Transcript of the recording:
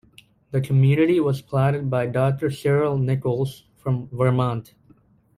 The community was platted by Doctor Cyril Nichols from Vermont.